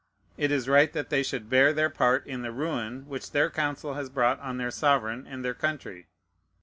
It is right that they should bear their part in the ruin which their counsel has brought on their sovereign and their country.